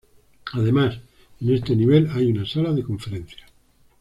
Además, en este nivel hay una sala de conferencias.